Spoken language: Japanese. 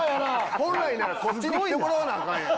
本来ならこっちに来てもらわなアカンやん。